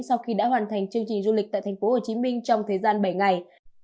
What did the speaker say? sau khi đã hoàn thành chương trình du lịch tại thành phố hồ chí minh trong thời gian bảy ngày